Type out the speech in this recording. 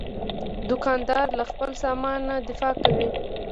دوکاندار له خپل سامان نه دفاع کوي.